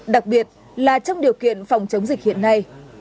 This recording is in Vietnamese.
đặc biệt là trong điều kiện phòng chống dịch hiện nay